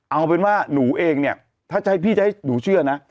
เอาเป็นว่าหนูเองถ้าพี่จะให้หนูเชื่อนะ